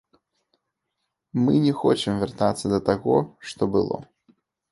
Мы не хочам вяртацца да таго, што было.